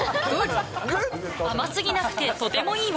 甘過ぎなくてとてもいいわ。